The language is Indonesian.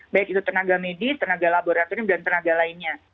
baik itu tenaga medis tenaga laboratorium dan tenaga lainnya